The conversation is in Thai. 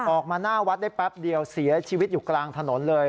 ออกมาหน้าวัดได้แป๊บเดียวเสียชีวิตอยู่กลางถนนเลย